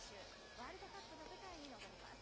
ワールドカップの舞台に臨みます。